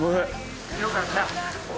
よかった。